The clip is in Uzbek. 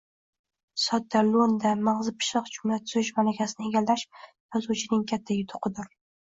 Sodda, lo‘nda, mag‘zi pishiq jumla tuzish malakasini egallash yozuvchining katta yutug‘idir.